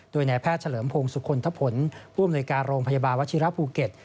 โดยนายแพทย์เฉลิมพงศุคลทะผลผู้อำนวยการโรงพยาบาลวัชิระภูเก็ต